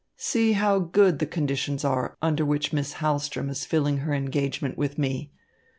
"See how good the conditions are under which Miss Hahlström is filling her engagement with me.